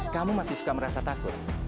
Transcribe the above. kamu masih suka merasa takut